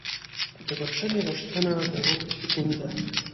د بښنې غوښتنه د روح سکون ده.